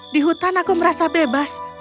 di hutan aku merasa bebas